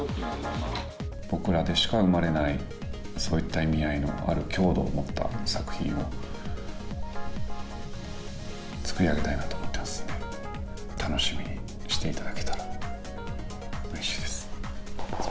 僕らでしか生まれない、そういった意味合いのある強度を持った作品を、作り上げたいなと思っていますんで、楽しみにしていただけたらうれしいです。